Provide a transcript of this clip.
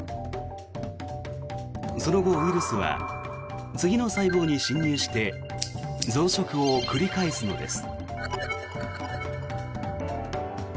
その後、ウイルスは次の細胞に侵入して増殖を繰り返すのです。